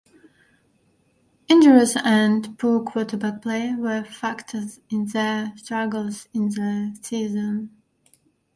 Injuries and poor quarterback play were factors in their struggles in the season.